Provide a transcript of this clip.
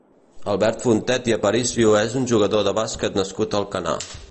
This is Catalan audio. Albert Fontet i Aparicio és un jugador de bàsquet nascut a Alcanar.